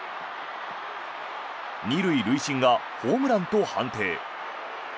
２塁塁審がホームランと判定。